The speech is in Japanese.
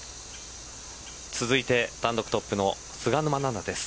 続いて単独トップの菅沼菜々です。